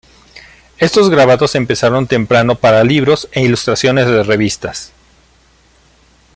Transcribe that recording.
Estos grabados empezaron temprano para libros e ilustración de revistas.